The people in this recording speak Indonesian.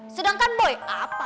sedangkan boy apa